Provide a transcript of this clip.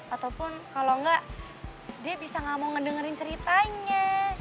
ataupun kalau enggak dia bisa nggak mau ngedengerin ceritanya